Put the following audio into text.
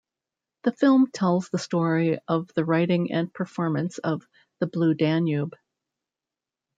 The film tells the story of the writing and performance of "The Blue Danube".